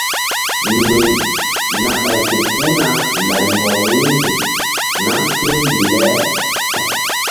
Ndoy na ɓay fe puhna larimbɔl wu̧ynzuk nam ti̧hmbih le.